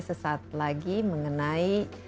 sesaat lagi mengenai